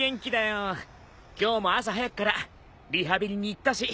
今日も朝早くからリハビリに行ったし。